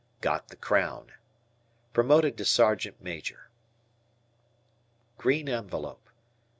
"Got the Crown." Promoted to Sergeant Major. Green Envelope.